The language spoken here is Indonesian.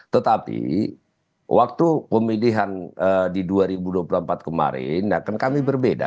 tetapi waktu pemilihan di dua ribu dua puluh empat kemarin akan kami berbeda